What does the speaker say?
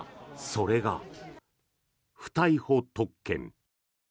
それが、不逮捕特権。